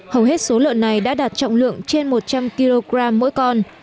hầu hết số lợn này đã đạt trọng lượng trên một trăm linh kg mỗi con